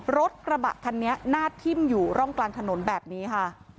รถกระบะคันนี้หน้าทิ่มอยู่ร่องกลางถนนแบบนี้ค่ะ